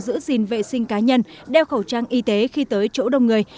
giữ gìn vệ sinh cá nhân đeo khẩu trang y tế khi tới chỗ đông người